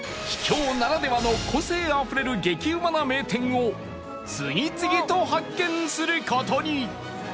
秘境ならではの個性あふれる激うまな名店を次々と発見する事に